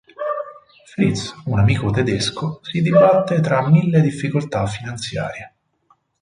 Fritz, un amico tedesco, si dibatte tra mille difficoltà finanziarie.